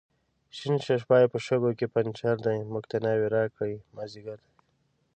شین ششپای په شګو کې پنچر دی، موږ ته ناوې راکئ مازدیګر دی